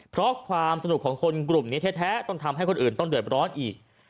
เพราะความสนุกของคนกลุ่มนี้แท้ต้องทำให้คนอื่นต้องเดือดร้อนอีก